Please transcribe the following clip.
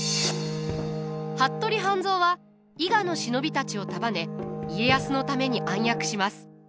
服部半蔵は伊賀の忍びたちを束ね家康のために暗躍します。